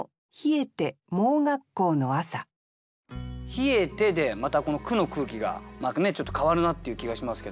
「冷えて」でまたこの句の空気がちょっと変わるなっていう気がしますけども。